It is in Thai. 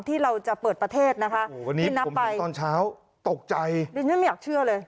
ที่เราจะเปิดประเทศนะคะวันนี้ตอนเช้าตกใจไม่อยากเชื่อเลย